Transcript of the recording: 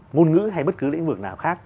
ngôn ngữ hay bất cứ lĩnh vực nào khác